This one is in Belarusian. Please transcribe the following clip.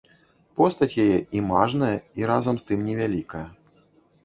Постаць яе і мажная і, разам з тым, невялікая.